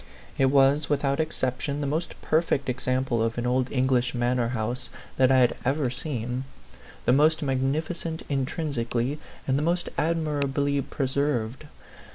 It was, without ex ception, the most perfect example of an old English manor house that I had ever seen; the most magnificent intrinsically, and the most admirably preserved.